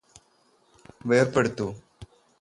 വേര്പെടുത്തൂ